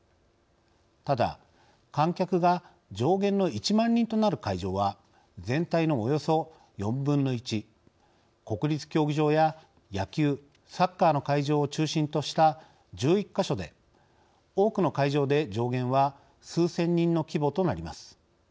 ただ観客が上限の１万人となる会場は全体のおよそ４分の１国立競技場や野球サッカーの会場を中心とした１１か所で多くの会場で上限は数千人の規模となります。